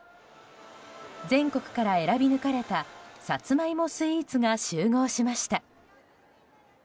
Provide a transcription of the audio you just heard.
全国から選び抜かれたサツマイモスイーツが集合しました。